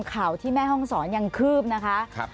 ข่าวที่แม่ห้องศรยังคืบนะคะ